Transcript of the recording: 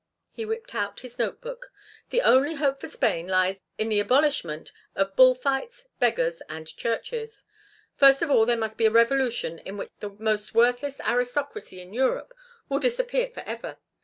He whipped out his note book. "'The only hope for Spain lies in the abolishment of bull fights, beggars, and churches.' First of all there must be a revolution in which the most worthless aristocracy in Europe will disappear forever.